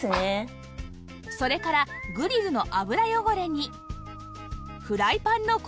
それからグリルの油汚れに